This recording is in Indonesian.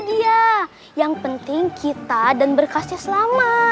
iya yang penting kita dan berkasnya sama